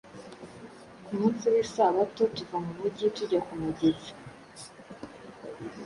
Ku munsi w’isabato tuva mu mugi tujya ku mugezi,